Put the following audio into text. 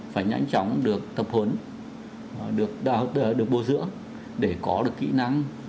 phải nhanh chóng được tập huấn được bố giữa để có được kỹ năng